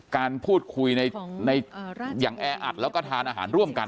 การพูดคุยอย่างแออัดแล้วก็ทานอาหารร่วมกัน